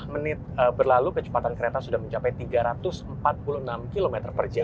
dua puluh menit berlalu kecepatan kereta sudah mencapai tiga ratus empat puluh enam km per jam